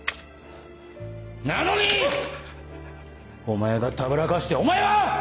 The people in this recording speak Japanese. お前がたぶらかしてお前は！